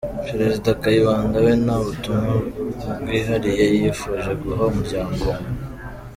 Perezida Kayibanda we, nta butumwa bwihariye yifuje guha umuryango we.